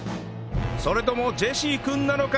それともジェシー君なのか？